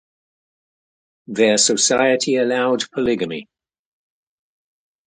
Their society allowed polygamy.